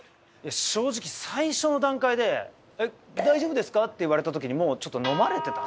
正直最初の段階で「大丈夫ですか？」って言われた時にもうちょっとのまれてた。